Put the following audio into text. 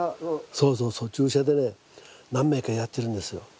そうそうそう注射でね何名かやってるんですよ。